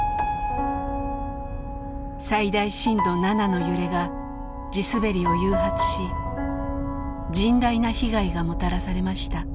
最大震度７の揺れが地滑りを誘発し甚大な被害がもたらされました。